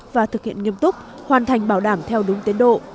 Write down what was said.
và thực hiện nghiêm túc hoàn thành bảo đảm theo đúng tiến độ